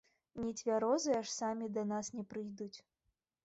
Нецвярозыя ж самі да нас не прыйдуць!